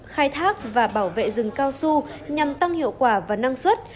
khai thác và bảo vệ rừng cao su nhằm tăng hiệu quả và năng suất